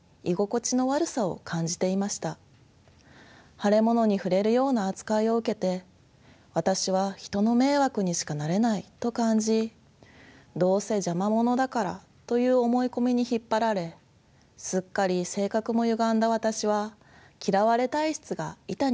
腫れ物に触れるような扱いを受けて「私は人の迷惑にしかなれない」と感じ「どうせ邪魔者だから」という思い込みに引っ張られすっかり性格もゆがんだ私は嫌われ体質が板についてしまいました。